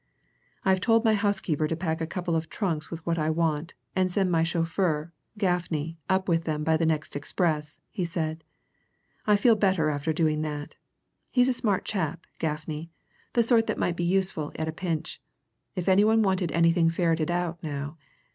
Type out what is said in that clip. "I've told my housekeeper to pack a couple of trunks with what I want, and to send my chauffeur, Gaffney, up with them, by the next express," he said. "I feel better after doing that. He's a smart chap, Gaffney the sort that might be useful at a pinch. If any one wanted anything ferreted out, now!